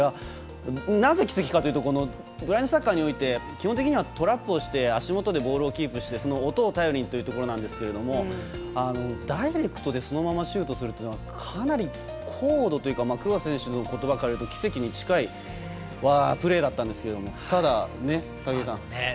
なぜ、奇跡かというとブラインドサッカーにおいて基本的にはトラップをして足元でボールをキープして音を頼りということなんですけどダイレクトでそのままシュートするっていうのはかなり高度というか黒田選手のことばを借りると奇跡に近いプレーだったんですけれどもねえ、武井さん。